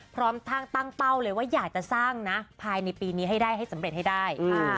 พร้อมทั้งตั้งเป้าเลยว่าอยากจะสร้างนะภายในปีนี้ให้ได้ให้สำเร็จให้ได้